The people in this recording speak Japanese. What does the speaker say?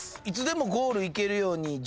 いつでもゴールいけるように。